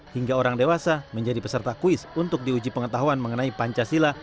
hingga orang dewasa menjadi peserta kuis untuk diuji pengetahuan mengenai pancasila